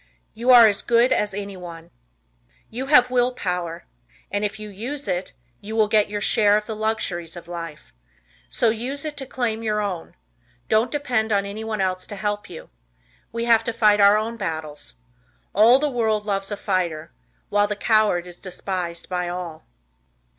You Are as Good as Anyone. You have will power, and if you use it, you will get your share of the luxuries of life. So use it to claim your own. Don't depend on anyone else to help you. We have to fight our own battles. All the world loves a fighter, while the coward is despised by all.